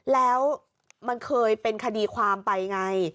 แล้วมันเคยเป็นคดีความไปไง